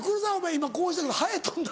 今こうしたけどハエ飛んだ？